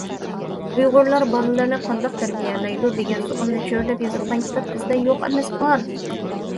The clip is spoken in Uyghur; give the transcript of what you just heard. ئۇيغۇرلار بالىلىرىنى قانداق تەربىيەلەيدۇ؟ دېگەن سوئالنى چۆرىدەپ يېزىلغان كىتاب بىزدە يوق ئەمەس، بار.